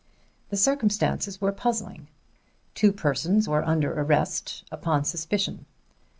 The circumstances were puzzling; two persons were under arrest upon suspicion.